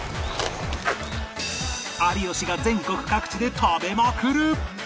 有吉が全国各地で食べまくる！